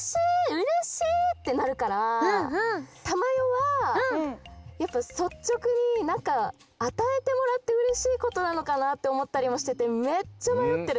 うれしい！ってなるからたまよはやっぱそっちょくになんかあたえてもらってうれしいことなのかなっておもったりもしててめっちゃまよってる。